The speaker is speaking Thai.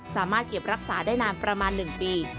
สามารถเก็บรักษาได้นานประมาณ๑ปี